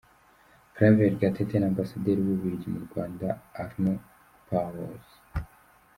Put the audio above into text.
Claver Gatete na Ambasaderi w’u Bubiligi mu Rwanda Arnout Pauwels.